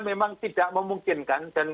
memang tidak memungkinkan dan